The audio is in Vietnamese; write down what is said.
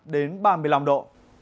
đến ba mươi năm độ